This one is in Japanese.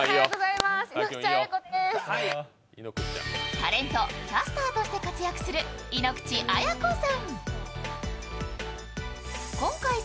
タレント、キャスターとして活躍する井口綾子さん。